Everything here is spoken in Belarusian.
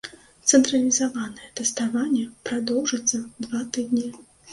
Цэнтралізаванае тэставанне прадоўжыцца два тыдні.